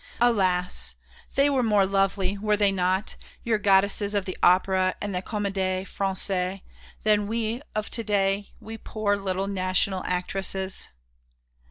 Alas! they were more lovely, were they not, your goddesses of the Opera and the Comédie Française, than we of to day, we poor little National actresses?"